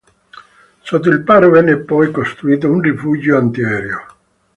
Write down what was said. Sotto il paro venne poi costruito un rifugio antiaereo.